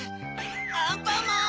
アンパンマン！